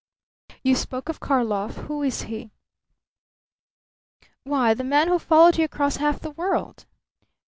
"You spoke of Karlov. Who is he?" "Why, the man who followed you across half the world."